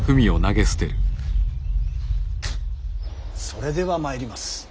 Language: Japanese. それではまいります。